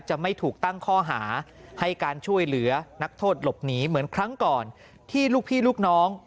จะไม่ถูกตั้งข้อหาให้การช่วยเหลือนักโทษหลบหนีเหมือนครั้งก่อนที่ลูกพี่ลูกน้อง